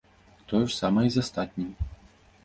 Тое ж самае і з астатнім.